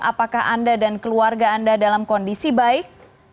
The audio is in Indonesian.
apakah anda dan keluarga anda dalam kondisi baik